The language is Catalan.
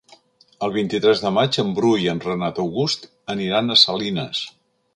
El vint-i-tres de maig en Bru i en Renat August aniran a Salines.